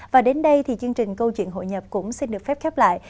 và đến đây thì chương trình câu chuyện hội nhập cũng xin được phép khép lại